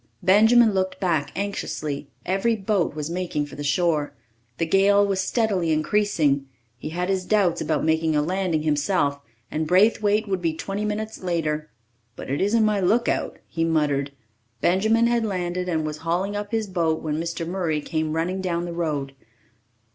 Benjamin looked back anxiously. Every boat was making for the shore. The gale was steadily increasing. He had his doubts about making a landing himself, and Braithwaite would be twenty minutes later. "But it isn't my lookout," he muttered. Benjamin had landed and was hauling up his boat when Mr. Murray came running down the road.